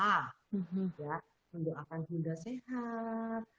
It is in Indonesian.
ada yang menyebut apakah binda sehat